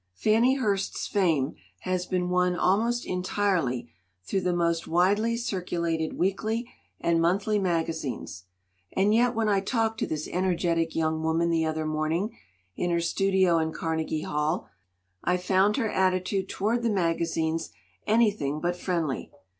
Fannie Hurst's fame has been won almost en tirely through the most widely circulated weekly and monthly magazines. And yet when I talked to this energetic young woman the other morn ing in her studio in Carnegie Hall, I found her attitude toward the magazines anything but friendly.